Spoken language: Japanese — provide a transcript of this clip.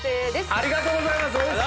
ありがとうございますおいしそ！